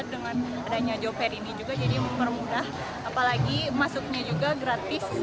dengan adanya job fair ini juga jadi mempermudah apalagi masuknya juga gratis